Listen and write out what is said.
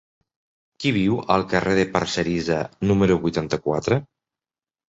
Qui viu al carrer de Parcerisa número vuitanta-quatre?